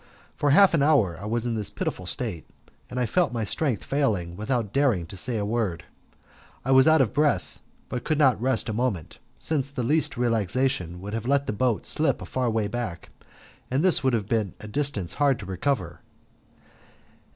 For half an hour I was in this pitiful state, and I felt my strength failing without daring to say a word. I was out of breath, but could not rest a moment, since the least relaxation would have let the boat slip a far way back, and this would have been a distance hard to recover.